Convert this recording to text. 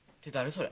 それ。